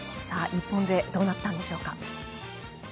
日本勢どうなったんでしょうか。